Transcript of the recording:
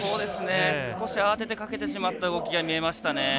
少し慌ててかけてしまった動きが見えましたね。